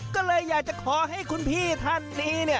ก็เลยอยากจะขอให้คุณพี่ท่านนี้เนี่ย